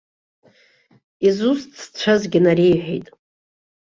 Изусҭцәазгьы нареиҳәеит.